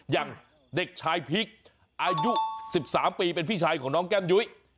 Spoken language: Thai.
อย่างเด็กชายพริกอายุ๑๓ปีเป็นพี่ชายของน้องแก้มยุ้ย